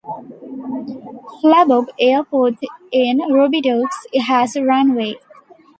Flabob Airport in Rubidoux has a runway.